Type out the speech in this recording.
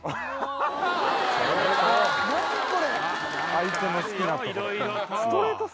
相手の好きなところ